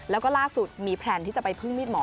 แล้วก็ล่าสุดมีแพลนที่จะไปพึ่งมีดหมอ